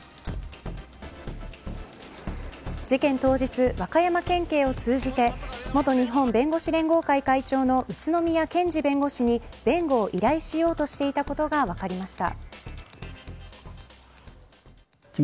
事件当日、和歌山県警を通じて元日本弁護士連合会会長の宇都宮健児弁護士に弁護を依頼しようとしていたことが分かりました。